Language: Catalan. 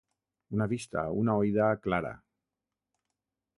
Una vista, una oïda, clara.